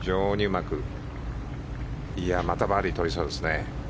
またバーディーをとりそうです。